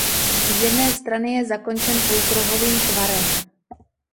Z jedné strany je zakončen půlkruhovým tvarem.